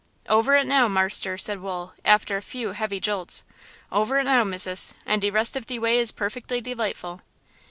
"Over it now, marster," said Wool, after a few heavy jolts. "Over it now, missus; and de rest of de way is perfectly delightful."